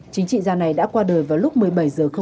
chính trị gia này đã qua đời vào lúc một mươi bảy h